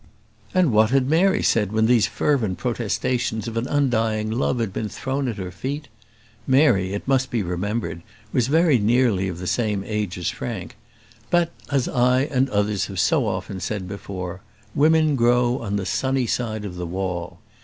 And what had Mary said when these fervent protestations of an undying love had been thrown at her feet? Mary, it must be remembered, was very nearly of the same age as Frank; but, as I and others have so often said before, "Women grow on the sunny side of the wall."